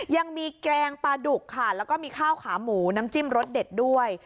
แกงปลาดุกค่ะแล้วก็มีข้าวขาหมูน้ำจิ้มรสเด็ดด้วย